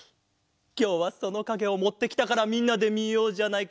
きょうはそのかげをもってきたからみんなでみようじゃないか。